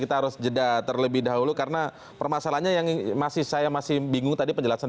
kita harus jeda terlebih dahulu karena permasalahannya yang masih saya masih bingung tadi penjelasan